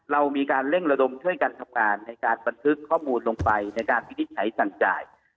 เรามีการเร่งระดมช่วยกันทำงานในการบันทึกข้อมูลลงไปในการวินิจฉัยสั่งจ่าย